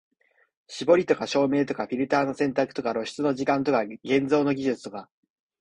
絞りとか照明とかフィルターの選択とか露出の時間とか現像の技術とか、